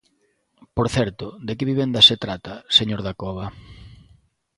Por certo, ¿de que vivendas se trata, señor Dacova?